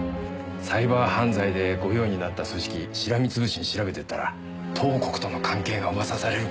サイバー犯罪でご用になった組織しらみつぶしに調べてったら東国との関係が噂される